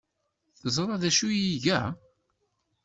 Teẓra d acu ay iga?